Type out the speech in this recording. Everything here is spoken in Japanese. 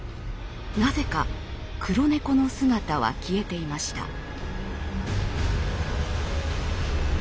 なぜか黒猫の姿は消えていました。